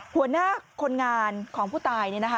หัวหน้าคนงานของผู้ตาย